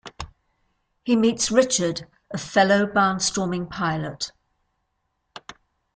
He meets Richard, a fellow barn-storming pilot.